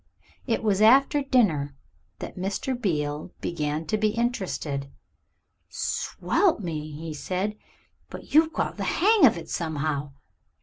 It was after dinner that Mr. Beale began to be interested. "Swelp me!" he said; "but you've got the hang of it somehow.